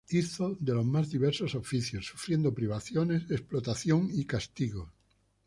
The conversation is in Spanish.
Hizo de los más diversos oficios sufriendo privaciones, explotación y castigos.